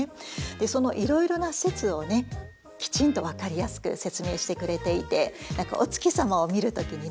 そのいろいろな説をきちんと分かりやすく説明してくれていて何かお月様を見る時にね